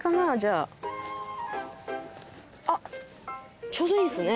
あっちょうどいいですね。